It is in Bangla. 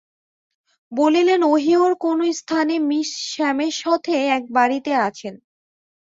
বললেন, ওহিওর কোন স্থানে মি স্যামের সঙ্গে এক বাড়ীতে আছেন।